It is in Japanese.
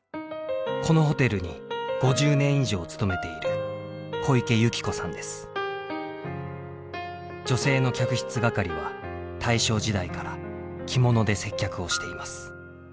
このホテルに５０年以上勤めている女性の客室係は大正時代から着物で接客をしています。